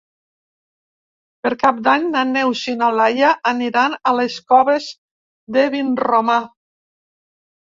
Per Cap d'Any na Neus i na Laia aniran a les Coves de Vinromà.